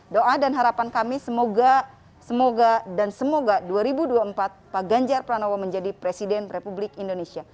doa dan harapan kami semoga dan semoga dua ribu dua puluh empat pak ganjar pranowo menjadi presiden republik indonesia